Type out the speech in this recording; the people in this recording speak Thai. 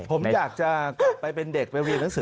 ผมอยากจะกลับไปเป็นเด็กไปเรียนหนังสือ